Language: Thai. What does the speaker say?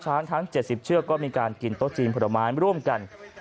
ทั้ง๗๐เชือกก็มีการกินโต๊ะจีนผลไม้ร่วมกัน